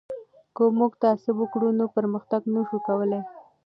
که موږ تعصب وکړو نو پرمختګ نه سو کولای.